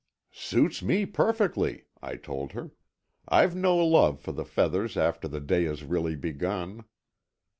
"Suits me perfectly," I told her. "I've no love for the feathers after the day has really begun."